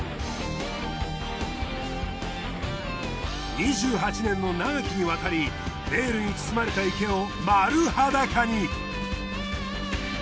２８年の長きにわたりベールに包まれた池を丸裸に。